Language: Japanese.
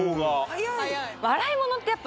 早い。